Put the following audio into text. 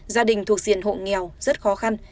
gia đình thuộc diện hộ nghèo rất khó khăn